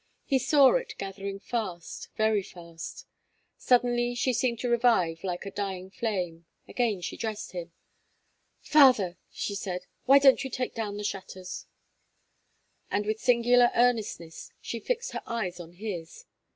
He saw it gathering fast, very fast. Suddenly she seemed to revive like a dying flame. Again she addressed him. "Father!" she said, "why don't you take down the shutters?" And with singular earnestness she fixed her eyes on his.